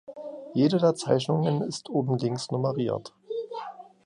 Jede der Zeichnungen ist oben links nummeriert.